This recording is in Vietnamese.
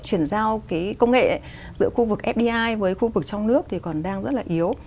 chuyển giao cái công nghệ giữa khu vực fdi với khu vực trong nước thì còn đang rất là yếu